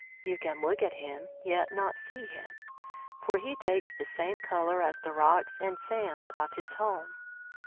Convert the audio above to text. You can look at him, yet not see him! For he takes the same colour as the rocks and sands of his home.